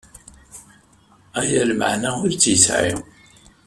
Aya lmeɛna ur tt-yesɛi.